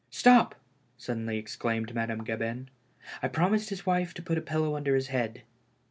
" Stop !" suddenly exclaimed Madame Gabin. " I promised his wife to put a pillow under his head."